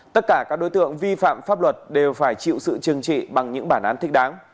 tất cả các đối tượng vi phạm pháp luật đều phải chịu sự chừng trị bằng những bản án thích đáng